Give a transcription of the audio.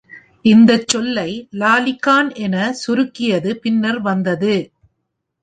இந்த சொல்லை, "லாலிகான்" என சுருக்கியது பின்னர் வந்தது.